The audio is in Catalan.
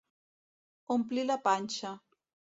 Omplir la panxa.